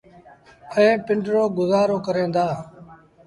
ائيٚݩ پنڊرو گزآرو ڪريݩ دآ۔